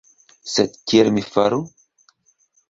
Sed kiel mi faru?